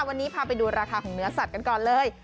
วันนี้พาไปดูราคาของเนื้อสัตว์กันก่อนเลย